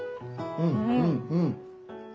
うんうんうん。